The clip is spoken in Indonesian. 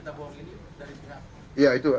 tentang berita bohong ini dari pihak